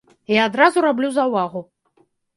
І адразу раблю заўвагу.